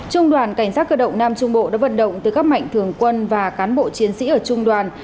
trung đoàn cảnh sát cơ động nam trung bộ đã vận động từ các mạnh thường quân và cán bộ chiến sĩ ở trung đoàn